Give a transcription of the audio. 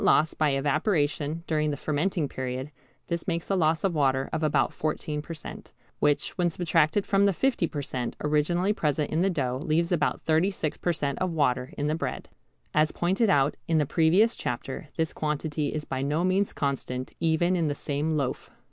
loss by evaporation during the fermenting period, this makes a loss of water of about 14 per cent., which, when subtracted from the 50 per cent. originally present in the dough, leaves about 36 per cent. of water in the bread. As pointed out in the previous chapter this quantity is by no means constant even in the same loaf.